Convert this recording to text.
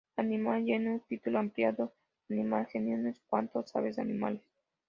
Animal Genius, título ampliado a Animal Genius ¿Cuánto Sabes de Animales?